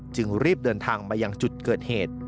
จึงรีบเดินทางมายังจุดเกิดเหตุ